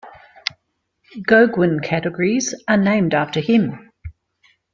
"Goguen categories" are named after him.